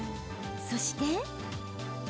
そして。